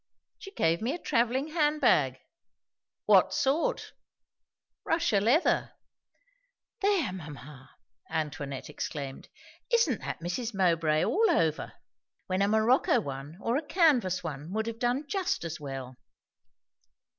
"She gave me a travelling hand bag." "What sort?" "Russia leather." "There, mamma!" Antoinette exclaimed. "Isn't that Mrs. Mowbray all over? When a morocco one, or a canvas one, would have done just as well."